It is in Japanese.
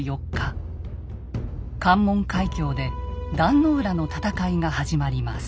関門海峡で壇の浦の戦いが始まります。